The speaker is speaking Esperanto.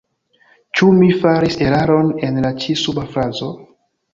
Ĉu mi faris eraron en la ĉi suba frazo?